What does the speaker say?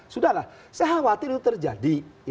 sudahlah saya khawatir itu terjadi